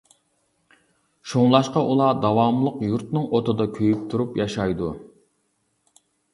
شۇڭلاشقا ئۇلار داۋاملىق يۇرتىنىڭ ئوتىدا كۆيۈپ تۇرۇپ ياشايدۇ.